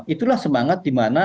itulah semangat di mana